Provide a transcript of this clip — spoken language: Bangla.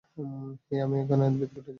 হেই, আমি এখানে, বিদঘুটে বেজী।